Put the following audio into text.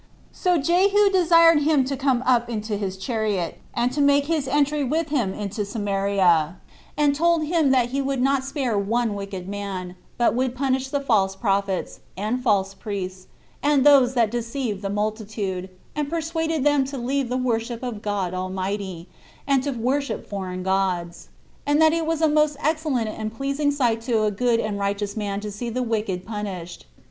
So Jehu desired him to come up into his chariot, and make his entry with him into Samaria; and told him that he would not spare one wicked man, but would punish the false prophets, and false priests, and those that deceived the multitude, and persuaded them to leave the worship of God Almighty, and to worship foreign gods; and that it was a most excellent and most pleasing sight to a good and a righteous man to see the wicked punished.